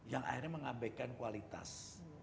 yang akhirnya mengabaikan kualitas